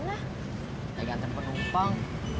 nanti nganterin penumpang